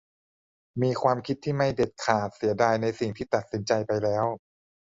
มีความคิดที่ไม่เด็ดขาด ลังเล เสียดายในสิ่งที่ตัดสินใจไปแล้ว